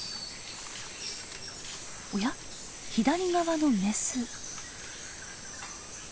おや左側のメス。